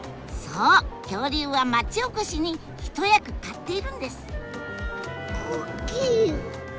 そう恐竜は町おこしに一役買っているんです！